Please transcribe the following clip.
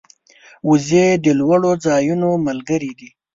وزې د لوړو ځایونو ملګرې دي